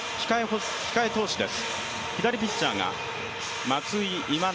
控え投手です。